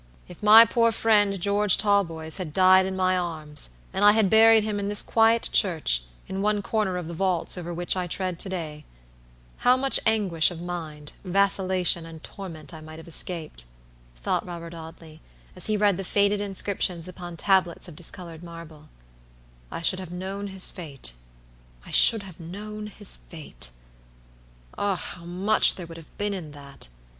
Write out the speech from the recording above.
"If my poor friend, George Talboys, had died in my arms, and I had buried him in this quiet church, in one corner of the vaults over which I tread to day, how much anguish of mind, vacillation and torment I might have escaped," thought Robert Audley, as he read the faded inscriptions upon tablets of discolored marble; "I should have known his fateI should have known his fate! Ah, how much there would have been in that.